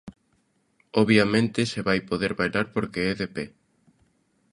Obviamente se vai poder bailar porque é de pé.